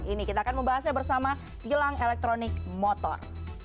ini kita akan membahasnya bersama tilang elektronik motor